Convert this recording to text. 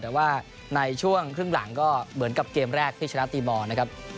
แต่ว่าในช่วงครึ่งหลังก็เหมือนกับเกมแรกที่ชนะประตู